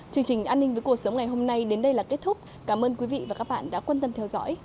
chương trình an ninh với cuộc sống ngày hôm nay đến đây là kết thúc cảm ơn quý vị và các bạn đã quan tâm theo dõi